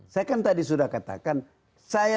sebetulnya juga semoga saja